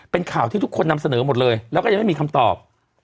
เป็นข่าวที่ทุกคนนำเสนอหมดเลยแล้วก็ยังไม่มีคำตอบ